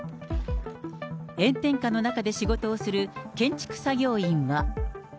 炎天下の中で仕事をする建築作業員は。